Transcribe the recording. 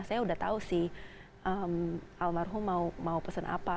saya sudah tahu sih almarhum mau pesan apa